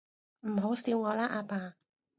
唔好笑我啦，阿爸